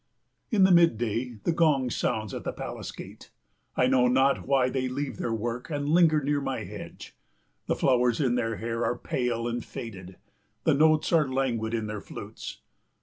In the mid day the gong sounds at the palace gate. I know not why they leave their work and linger near my hedge. The flowers in their hair are pale and faded; the notes are languid in their flutes.